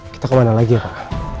kita kemana lagi ya pak